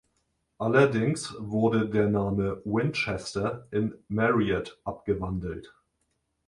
Allerdings wurde der Name "Winchester" in "Marriott" abgewandelt.